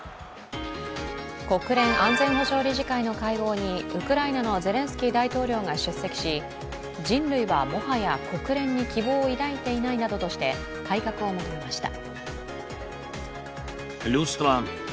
国連安全保障理事会の会合にウクライナのゼレンスキー大統領が出席し人類はもはや国連に希望を抱いていないなどとして改革を求めました。